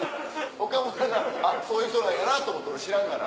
岡村がそういう人なんやなと思って俺知らんから。